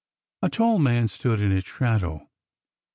A tall man stood in its shadow.